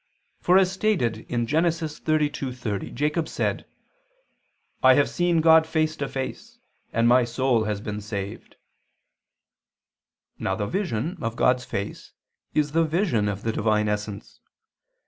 For, as stated in Gen. 32:30, Jacob said: "I have seen God face to face, and my soul has been saved." Now the vision of God's face is the vision of the Divine essence.